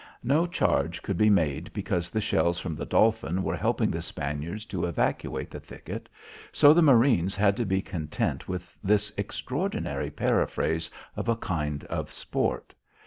No charge could be made because the shells from the Dolphin were helping the Spaniards to evacuate the thicket, so the marines had to be content with this extraordinary paraphrase of a kind of sport.